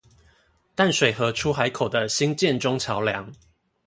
淡水河出海口的興建中橋梁